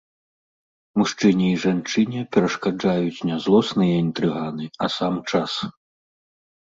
Мужчыне й жанчыне перашкаджаюць не злосныя інтрыганы, а сам час.